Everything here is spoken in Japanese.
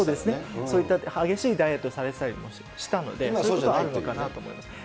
そういった激しいダイエットされてたりもしたので、そういうのはあるのかなと思います。